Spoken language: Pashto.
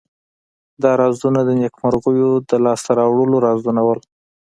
دا رازونه د نیکمرغیو د لاس ته راوړلو رازونه وو.